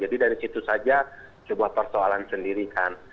jadi dari situ saja sebuah persoalan sendiri kan